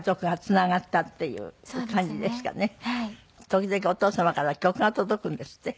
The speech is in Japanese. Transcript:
時々お父様から曲が届くんですって？